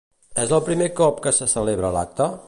És el primer cop que se celebra l'acte?